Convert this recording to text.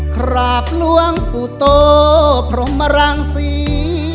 กราบหลวงปู่โตพรมรังศรี